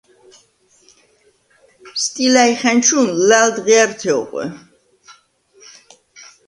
სტილა̈ჲხა̈ნჩუ̄ნ ლა̈ლდღია̈რთე ოღვე.